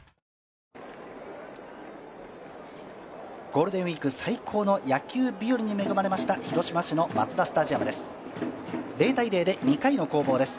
ゴールデンウイーク最高の野球日和に恵まれました、広島市のマツダスタジアムです。